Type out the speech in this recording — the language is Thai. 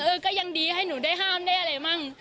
ก็ยังดีให้หนูได้ห้ามได้อะไรมั่ง